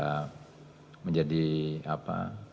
dan mereka juga bisa menjadi pemain yang lebih baik